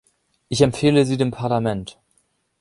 Ich empfehle sie dem Parlament.